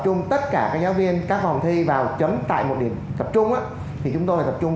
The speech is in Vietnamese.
trung tất cả các giáo viên các phòng thi vào chấm tại một điểm tập trung thì chúng tôi tập trung